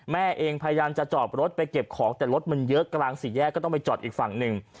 แม่เองพยายามจะจอดรถไปเก็บของแต่รถมันเยอะกลางสี่แยกก็ต้องไปจอดอีกฝั่งหนึ่ง